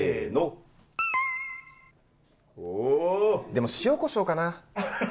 でも、塩こしょうかな。